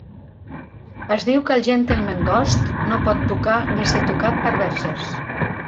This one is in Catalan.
Es diu que el Gentleman Ghost no pot tocar ni ser tocat per verges.